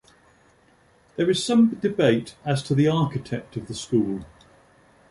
There is some debate as to the architect of the school.